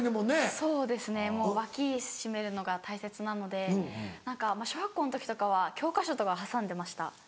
そうですねもう脇しめるのが大切なので小学校の時とかは教科書とか挟んでました。